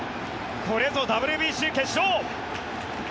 これぞＷＢＣ決勝。